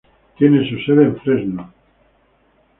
Tiene su sede en Fresno.